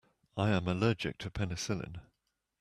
I am allergic to penicillin.